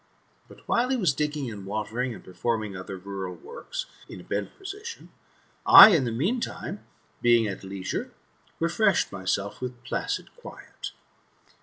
But while he was digging and watering, and performing other rural works, in a bent position, I, in the meantime, being at leisure, refreshed myself with placid quiet.